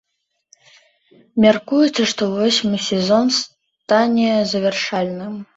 Мяркуецца, што восьмы сезон стане завяршальным.